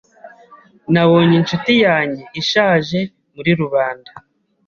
Nabonye inshuti yanjye ishaje muri rubanda.